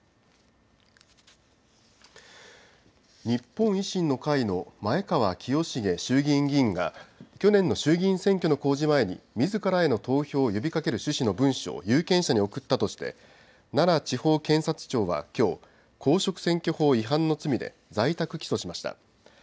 日本維新の会の前川清成衆議院議員が去年の衆議院選挙の公示前にみずからへの投票を呼びかける趣旨の文書を有権者に送ったとして奈良地方検察庁はきょう、公職選挙法違反の罪で在宅起訴しました。